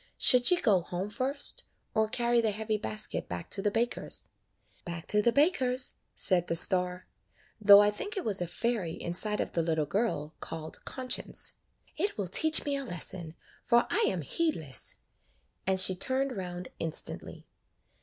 Should she go home first, or carry the heavy basket back to the baker's?" "Back to the baker's," said the star, though I think it was a fairy inside of the little girl called Conscience. "It will teach me a lesson, for I am heed less;" and she turned round instantly.